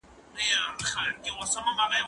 ته ولي مړۍ خورې!.